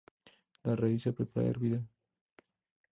La raíz se prepara hervida.